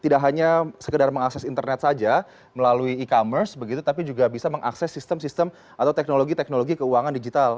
tidak hanya sekedar mengakses internet saja melalui e commerce begitu tapi juga bisa mengakses sistem sistem atau teknologi teknologi keuangan digital